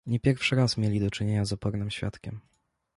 "Nie pierwszy raz mieli do czynienia z opornym świadkiem."